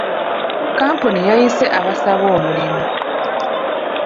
Kkampuni yayise abasaba omulimu.